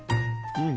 うん。